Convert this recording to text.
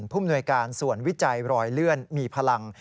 มนวยการส่วนวิจัยรอยเลื่อนมีพลัง